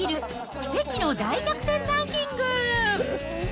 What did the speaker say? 奇跡の大逆転ランキング。